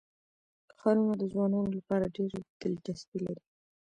ښارونه د ځوانانو لپاره ډېره دلچسپي لري.